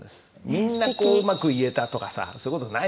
みんなこううまく言えたとかさそういう事ないじゃない。